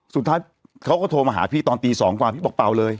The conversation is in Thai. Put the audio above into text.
สุดท้ายเขาก็โทรมาหาพี่ตอนตี๒กว่าพี่บอกเป่าเลย